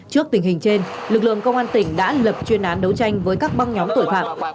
trước tình hình trên lực lượng công an tỉnh đã lập chuyên án đấu tranh với các băng nhóm tội phạm